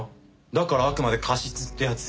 だからあくまで過失ってやつ。